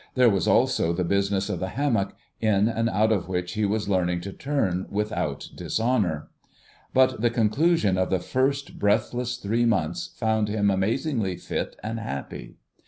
There was also the business of the hammock, in and out of which he was learning to turn without dishonour. But the conclusion of the first breathless three months found him amazingly fit and happy.